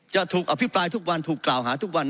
จะถูกอภิปรายทุกวันถูกกล่าวหาทุกวัน